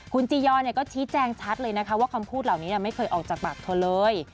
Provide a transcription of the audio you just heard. คุณจียอนก็ชี้แจงชัดเลยนะคะว่าคำพูดเหล่านี้ไม่เคยออกจากปากเธอเลย